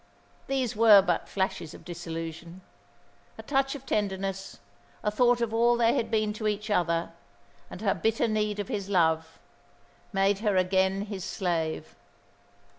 These were but flashes of disillusion. A touch of tenderness, a thought of all they had been to each other, and her bitter need of his love, made her again his slave.